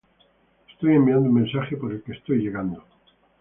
Estoy enviando un mensaje por el que estoy llegando".